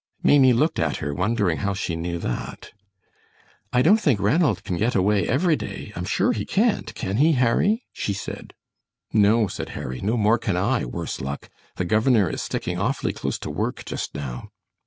Maimie looked at her, wondering how she knew that. "I don't think Ranald can get away every day. I'm sure he can't; can he, Harry?" she said. "No," said Harry, "no more can I, worse luck! The governor is sticking awfully close to work just now."